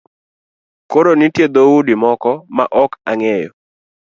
Koro nitie dhoudi moko maok angeyo